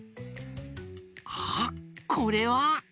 あっこれは！